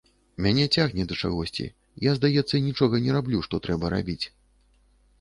Мяне цягне да чагосьці, я, здаецца, нічога не раблю, што трэба рабіць.